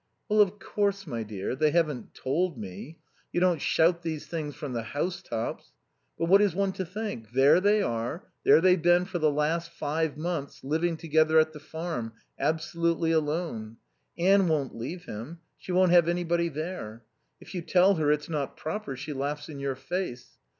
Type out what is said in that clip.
"Well, of course, my dear, they haven't told me. You don't shout these things from the house tops. But what is one to think? There they are; there they've been for the last five months, living together at the Farm, absolutely alone. Anne won't leave him. She won't have anybody there. If you tell her it's not proper she laughs in your face.